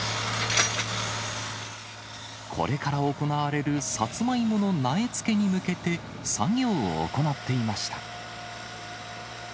これから行われるサツマイモの苗付けに向けて、作業を行っていました。